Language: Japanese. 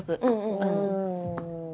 うん。